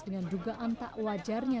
dengan dugaan tak wajarnya